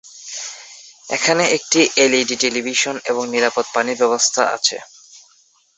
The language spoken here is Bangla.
এখানে একটি এলইডি টেলিভিশন এবং নিরাপদ পানির ব্যবস্থা আছে।